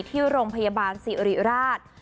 ที่โรงพยาบาลสิริราช